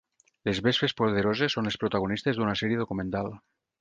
Les Vespes poderoses són les protagonistes d'una sèrie documental.